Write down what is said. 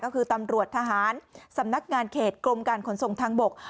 ก็คือตำรวจทหารสำนักงานเขตกรมการขนส่งทางบก